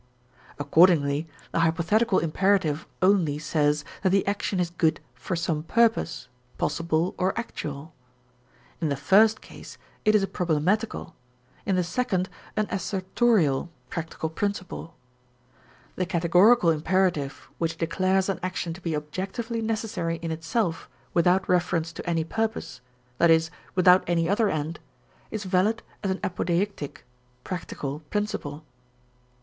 Accordingly the hypothetical imperative only says that the action is good for some purpose, possible or actual. In the first case it is a problematical, in the second an assertorial practical principle. The categorical imperative which declares an action to be objectively necessary in itself without reference to any purpose, i.e., without any other end, is valid as an apodeictic (practical) principle.